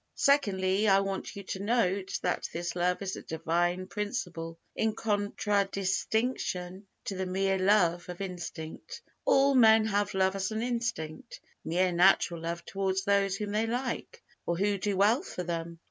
Secondly, I want you to note that this love is a Divine principle, in contradistinction to the mere love of instinct. All men have love as an instinct; mere natural love towards those whom they like, or who do well for them.